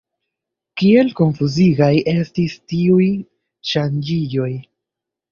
Kiel konfuzigaj estis tiuj ŝanĝiĝoj.